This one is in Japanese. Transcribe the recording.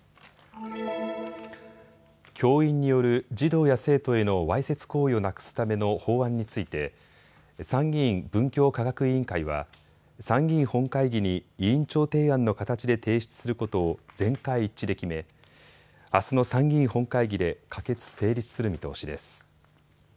教員による児童や生徒へのわいせつ行為をなくすための法案について参議院文教科学委員会は参議院本会議に委員長提案の形で提出することを全会一致で決め、あすの参議院本会議で可決・成立する見通しです。